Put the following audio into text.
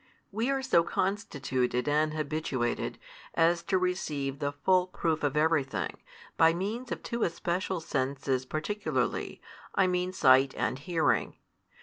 We are so constituted and habituated, as to receive the full proof of everything, by means of two especial senses particularly, I mean sight and hearing.